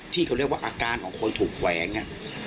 ที่เขาเรียกว่าอาการของคนถูกแขวง